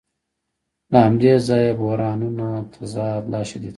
له همدې ځایه بحرانونه تضاد لا شدید کوي